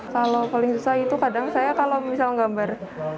kalau paling susah itu kadang saya kalau misal gambar